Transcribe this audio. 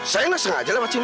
saya gak sengaja lewat sini